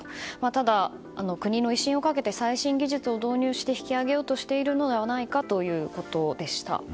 ただ、国の威信をかけて最新技術を導入して引き揚げようとしているのではないかということでした。